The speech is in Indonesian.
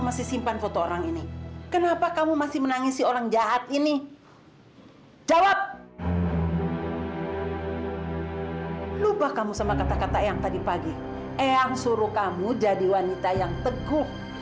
maafin aku yang gak bisa jauh dari kamu